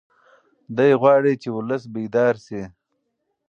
دی غواړي چې ولس بیدار شي.